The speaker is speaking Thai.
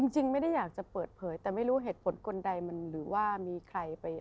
จริงไม่ได้อยากจะเปิดเผยแต่ไม่รู้เหตุผลคนใดมันหรือว่ามีใครไป